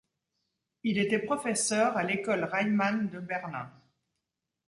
Il était professeur à l'école Reimann de Berlin.